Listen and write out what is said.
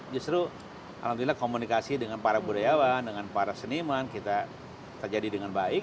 justru alhamdulillah komunikasi dengan para budayawan dengan para seniman kita terjadi dengan baik